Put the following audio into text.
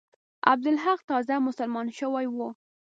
عبدالحق تازه مسلمان شوی وو.